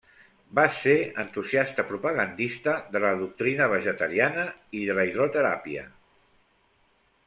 Vas ser entusiasta propagandista de la doctrina vegetariana i de la hidroteràpia.